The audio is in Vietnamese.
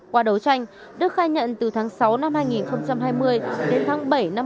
qua đấu tranh đức khai nhận từ tháng sáu năm hai nghìn hai mươi đến tháng bảy năm hai nghìn hai mươi